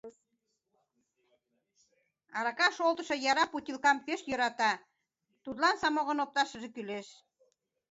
Арака шолтышо яра путилкам пеш йӧрата, тудлан самогон опташыже кӱлеш.